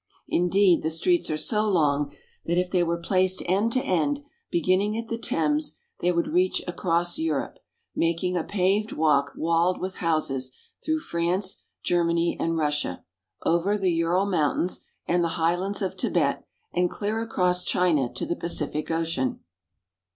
Indeed, the streets are so long that if they were placed end to end, beginning at the Thames, they would reach across Europe, making a paved walk walled with houses through France, Germany, and Russia, over the Ural Mountains and the Highlands of Thibet, and clear across China to the Pacific Ocean.